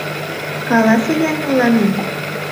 Каласе-ян мыланем: